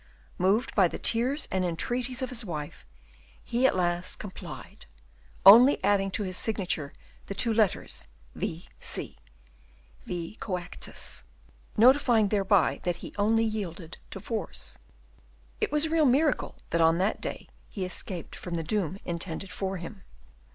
Moved by the tears and entreaties of his wife, he at last complied, only adding to his signature the two letters V. C. (Vi Coactus), notifying thereby that he only yielded to force. It was a real miracle that on that day he escaped from the doom intended for him.